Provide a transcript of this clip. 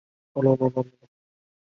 卫玠人。